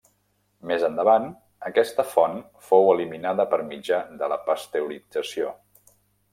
Més endavant, aquesta font fou eliminada per mitjà de la pasteurització.